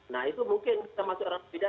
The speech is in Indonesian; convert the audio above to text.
nah itu mungkin bisa masuk orang berbeda